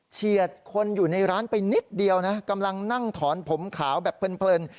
เฉียดคนอยู่ในร้านไปนิดเดียวนะกำลังนั่งถอนผมขาวแบบเพลิน